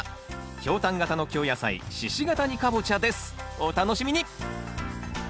お楽しみに！